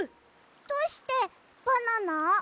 どうしてバナナ？